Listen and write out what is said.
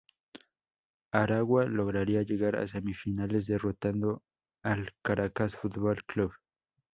Aragua lograría llegar a semifinales derrotando al Caracas Fútbol Club.